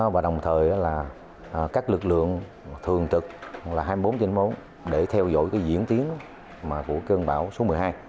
và đồng thời là các lực lượng thường trực là hai mươi bốn trên bốn để theo dõi diễn tiến của cơn bão số một mươi hai